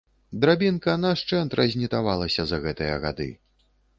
Драбінка нашчэнт разнітавалася за гэтыя гады.